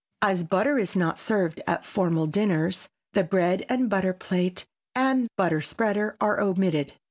As butter is not served at formal dinners the bread and butter plate and butter spreader are omitted.